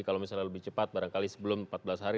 kalau misalnya lebih cepat barangkali sebelum empat belas hari